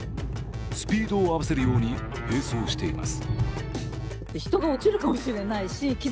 スピードを合わせるように並走しています。